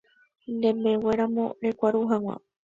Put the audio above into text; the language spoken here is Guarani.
Nembeguéramo rekuaru hag̃ua